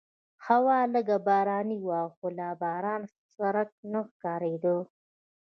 هوا لږه باراني وه خو لا د باران څرک نه ښکارېده.